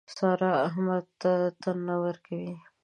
سارا احمد ته تن نه ورکوي.